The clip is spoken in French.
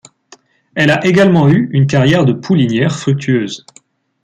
Elle a également eu une carrière de poulinière fructueuse.